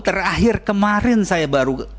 terakhir kemarin saya baru